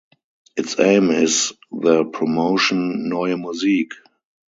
Its aim is the promotion Neue Musik.